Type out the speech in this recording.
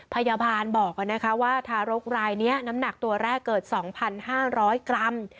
พยาบาลบอกว่าทารกรายนี้น้ำหนักตัวแรกเกิด๒๕๐๐กรัม